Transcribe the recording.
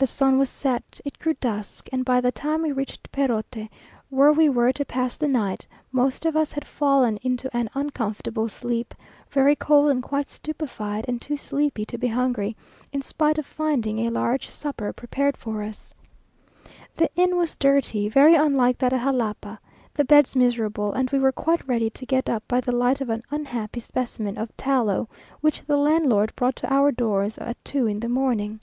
The sun was set it grew dusk, and by the time we reached Perote, where we were to pass the night, most of us had fallen into an uncomfortable sleep, very cold and quite stupefied, and too sleepy to be hungry, in spite of finding a large supper prepared for us. The inn was dirty, very unlike that at Jalapa, the beds miserable, and we were quite ready to get up by the light of an unhappy specimen of tallow which the landlord brought to our doors at two in the morning.